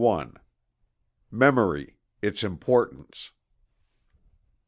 MEMORY: ITS IMPORTANCE.